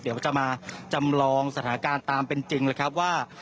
เดี๋ยวจะมาจำลองสถานการณ์ตามเป็นจริงเลยครับว่า